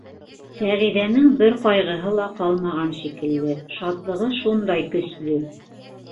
— Сәғиҙәнең бер ҡайғыһы ла ҡалмаған шикелле, шатлығы шундай көслө.